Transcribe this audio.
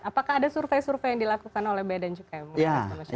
apakah ada survei survei yang dilakukan oleh bea dan cukai